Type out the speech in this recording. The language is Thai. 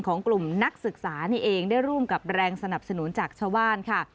ของกลุ่มนักศึกษานี่เองได้ร่วมกับแรงสนับสนุนจากชาวบ้านค่ะ